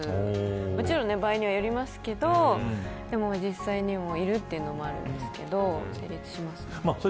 もちろん場合にはよりますけどでも、実際にいるというのもあるんですけど成立しますね。